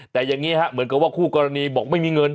แต่อย่างนี้ฮะเหมือนกับว่าคู่กรณีบอกไม่มีเงิน